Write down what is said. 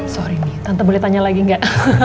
sorry nih tante boleh tanya lagi enggak